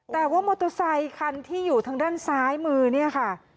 แต่ว่ามอเตอร์ไซคันที่อยู่ทางด้านซ้ายมือเนี่ยค่ะ